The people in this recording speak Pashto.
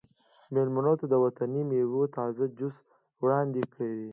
میلمنو ته د وطني میوو تازه جوس وړاندې کړئ